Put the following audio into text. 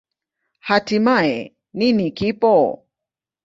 Hatimaye, nini kipo?